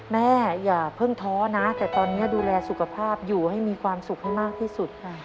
อย่าเพิ่งท้อนะแต่ตอนนี้ดูแลสุขภาพอยู่ให้มีความสุขให้มากที่สุดค่ะ